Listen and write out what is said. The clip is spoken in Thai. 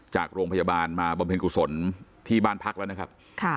จากโรงพยาบาลมาบำเพ็ญกุศลที่บ้านพักแล้วนะครับ